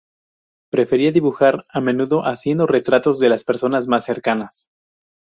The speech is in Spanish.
Prefería dibujar, a menudo haciendo retratos de las personas más cercanas.